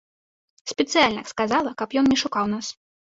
Спецыяльна сказала, каб ён не шукаў нас.